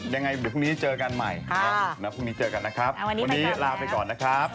ยังไงพรุ่งนี้เจอกันใหม่นะครับพรุ่งนี้ลาไปก่อนนะครับ